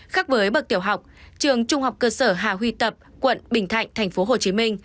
khác với bậc tiểu học trường trung học cơ sở hà huy tập quận bình thạnh tp hcm